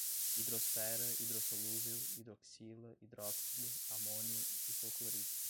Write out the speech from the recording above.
hidrosfera, hidrossolúvel, hidroxila, hidróxido, amônio, hipoclorito